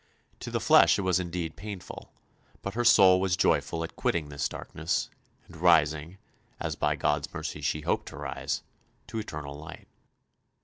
To the flesh it was indeed painful, but her soul was joyful at quitting this darkness, and rising, as by God's mercy she hoped to rise, to eternal light.